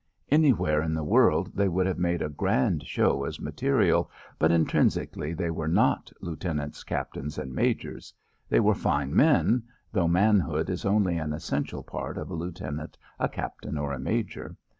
Anywhere in the world they would have made a grand show as material, but, intrinsically they were not Lieutenants, Captains and Majors. They were fine men, though manhood is only an essential part of a Lieutenant, a Captain or a Major.